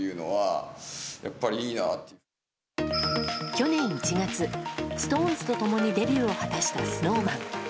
去年１月ＳｉｘＴＯＮＥＳと共にデビューを果たしたＳｎｏｗＭａｎ。